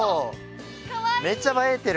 めっちゃ映えてる！